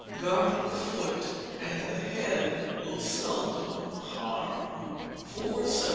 [GUARD THE FOOT, AND THE HEAD WILL SELDOM HARM.] 475.